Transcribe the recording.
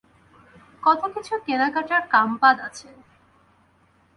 কত কিছু কেনা-কাটার কাম বাদ আছে।